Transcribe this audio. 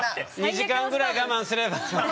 ２時間ぐらい我慢すればもう。